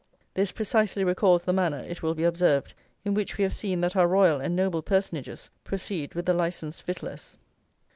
This precisely recalls the manner, it will be observed, in which we have seen that our royal and noble personages proceed with the Licensed Victuallers.